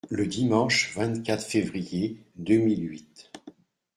Le dimanche vingt-quatre février deux mille huit.